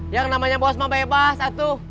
yang namanya bosma bebas aku